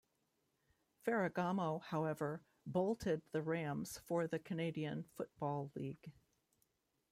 Ferragamo, however, bolted the Rams for the Canadian Football League.